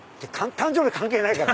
誕生日関係ないから！